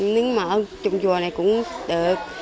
nếu mà ở trong chùa này cũng được